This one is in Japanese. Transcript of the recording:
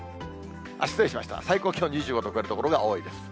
失礼しました、最高気温２５度を超える所が多いです。